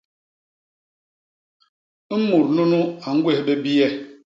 Mut nunu a ñgwés bé biyé.